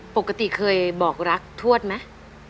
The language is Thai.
ปกติเคยบอกรักทวดไหม